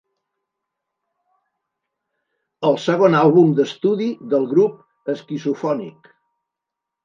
El segon àlbum d'estudi del grup, "Schizophonic"!